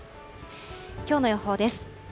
きょうの予報です。